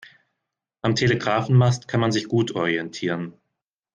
Am Telegrafenmast kann man sich gut orientieren.